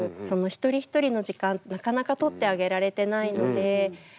その一人一人の時間なかなか取ってあげられてないので。